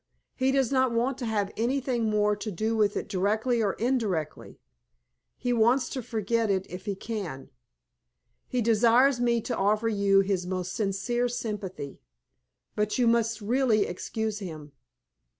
He does not want to have anything more to do with it directly or indirectly. He wants to forget it if he can. He desires me to offer you his most sincere sympathy. But you must really excuse him."